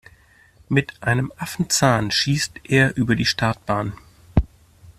Mit einem Affenzahn schießt er über die Startbahn.